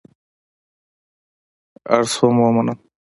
اړ شوم ومنم.